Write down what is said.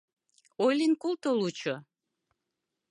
Ойлен колто лучо